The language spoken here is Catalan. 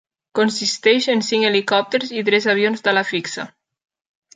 Consisteix en cinc helicòpters i tres avions d'ala fixa.